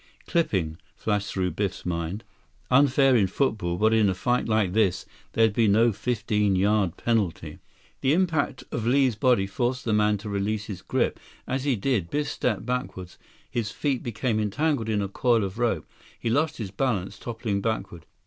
"Clipping," flashed through Biff's mind. Unfair in football, but in a fight like this there'd be no fifteen yard penalty. The impact of Li's body forced the man to release his grip. As he did, Biff stepped backward. His feet became entangled in a coil of rope. He lost his balance, toppling backward.